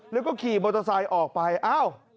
แล้วก็ขี่มอเตอร์ไซค์ออกไปอ้าว